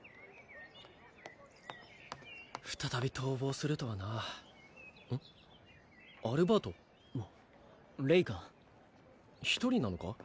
再び逃亡するとはなアルバートレイか一人なのか？